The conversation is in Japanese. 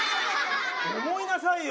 思いなさいよ